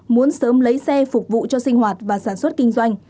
muốn sớm lấy xe phục vụ cho sinh hoạt và sản xuất kinh doanh